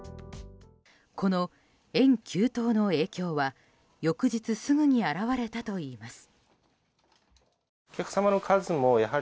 この円急騰の影響は翌日、すぐに表れたといいます。